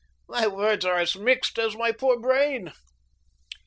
My words are as mixed as my poor brain."